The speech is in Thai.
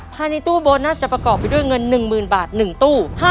ภายในตู้โบนัสจะประกอบไปด้วยเงิน๑๐๐๐บาท๑ตู้